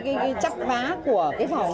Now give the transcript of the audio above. ví dụ như là cái chiều cao của người việt nam